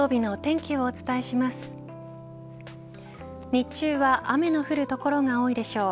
日中は雨の降る所が多いでしょう。